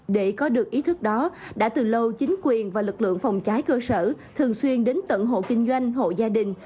để có được ý thức đó đã từ lâu chính quyền và lực lượng phòng cháy cơ sở thường xuyên đến tận hộ kinh doanh hộ gia đình